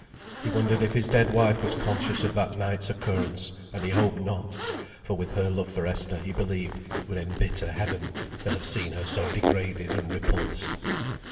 He wondered if his dead wife was conscious of that night's occurrence; and he hoped not, for with her love for Esther he believed it would embitter Heaven to have seen her so degraded and repulsed.